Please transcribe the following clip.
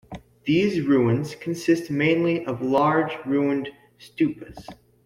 These ruins consist mainly of large ruined stupas.